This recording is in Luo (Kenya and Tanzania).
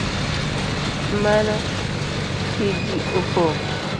Mano pigi opong’?